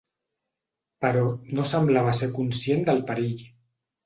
Però, no semblava ser conscient del perill.